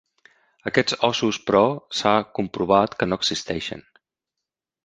Aquests ossos, però, s'ha comprovat que no existeixen.